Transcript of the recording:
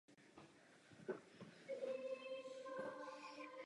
Je zásadní, aby tomu bylo podobně i u ostatních reakcí.